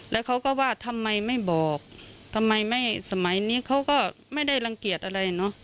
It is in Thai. แล้วเขาก็ว่าทำไมไม่บอกทำไมไม่สมัยนี้เขาก็ไม่ได้รังเกียจอะไรเนอะ